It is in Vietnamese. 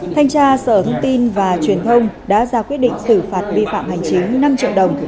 thanh tra sở thông tin và truyền thông đã ra quyết định xử phạt vi phạm hành chính năm triệu đồng